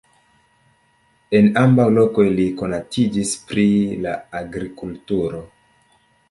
En ambaŭ lokoj li konatiĝis pri la agrikulturo.